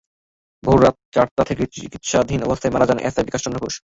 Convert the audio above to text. ভোররাত চারটার দিকে চিকিত্সাধীন অবস্থায় মারা যান এসআই বিকাশ চন্দ্র ঘোষ।